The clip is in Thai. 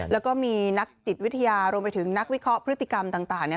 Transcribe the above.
แล้วก็มีนักจิตวิทยารวมไปถึงนักวิเคราะห์พฤติกรรมต่าง